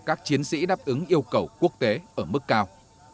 các chiến sĩ đáp ứng yêu cầu quốc tế ở mức cao